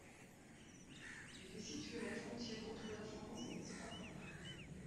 Il est situé a la frontière entre la France et l'Espagne.